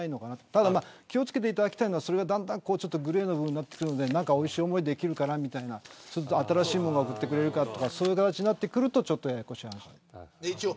ただ気を付けていただきたいのはそれがだんだんグレーな部分になってきてるのでおいしい思いができるかなみたいな新しいものを送ってくれるかという形になってくるとちょっとややこしい話。